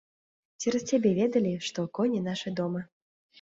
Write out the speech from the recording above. Цераз цябе ведалі, што коні нашы дома.